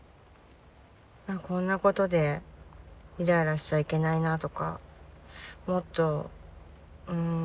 こんなことでイライラしちゃいけないなとかもっとうん。